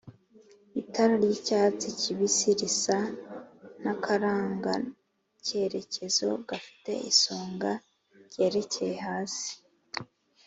itara ry'icyatsi kibisi risa n'akarangacyerekezo gafite isonga ryerekeye hasi